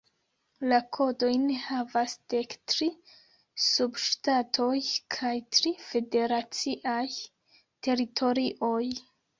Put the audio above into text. La kodojn havas dek tri subŝtatoj kaj tri federaciaj teritorioj.